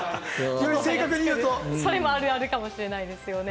それもあるあるかもしれないですね。